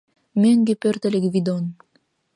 Мӧҥгӧ пӧртыльӧ Гвидон.